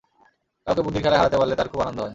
কাউকে বুদ্ধির খেলায় হারাতে পারলে তাঁর খুব আনন্দ হয়।